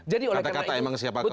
kata kata emang siapa kau itu